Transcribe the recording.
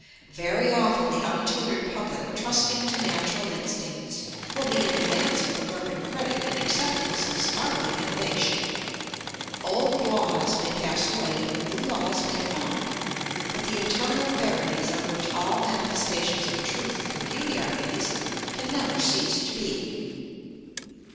Very often the untutored public, trusting to natural instincts, will be in advance of the learned critic in accepting some startling innovation. Old laws may pass away, new laws may come, but the eternal verities on which all manifestations of Truth and Beauty are based can never cease to be.